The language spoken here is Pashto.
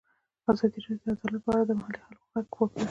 ازادي راډیو د عدالت په اړه د محلي خلکو غږ خپور کړی.